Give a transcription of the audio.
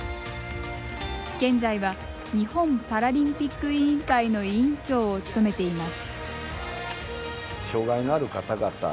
現在は日本パラリンピック委員会の委員長を務めています。